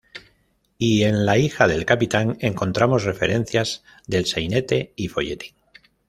Y en La hija del capitán encontramos referencias del sainete y folletín.